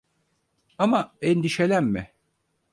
Ama endişelenme.